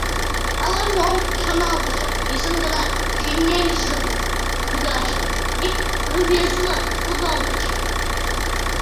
Ала-мом шоналтышат, писын гына шинельжым кудашын, ик рвезылан кудалтыш.